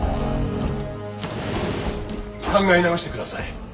考え直してください。